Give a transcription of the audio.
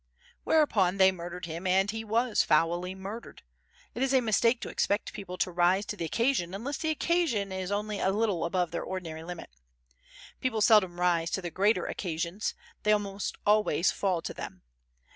Whereupon they murdered him and he was foully murdered. It is a mistake to expect people to rise to the occasion unless the occasion is only a little above their ordinary limit. People seldom rise to their greater occasions, they almost always fall to them.